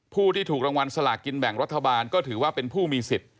ผู้ที่ถูกรางวัลสลากินแบ่งรัฐบาลก็ถือว่าเป็นผู้มีสิทธิ์